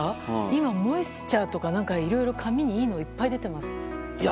今、モイスチャーとかいろいろ髪にいいのがいっぱい出てます。